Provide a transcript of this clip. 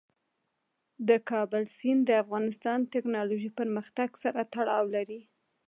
د کابل سیند د افغانستان د تکنالوژۍ پرمختګ سره تړاو لري.